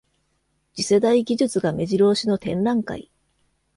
次世代技術がめじろ押しの展覧会